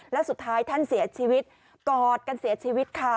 แล้วสุดท้ายท่านเสียชีวิตกอดกันเสียชีวิตค่ะ